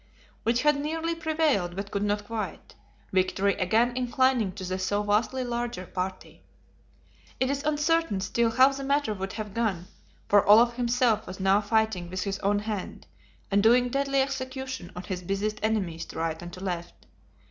Which had nearly prevailed, but could not quite; victory again inclining to the so vastly larger party. It is uncertain still how the matter would have gone; for Olaf himself was now fighting with his own hand, and doing deadly execution on his busiest enemies to right and to left.